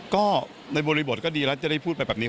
ก็ในบริบทก็ดีแล้วจะได้พูดไปแบบนี้